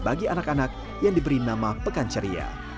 bagi anak anak yang diberi nama pekan ceria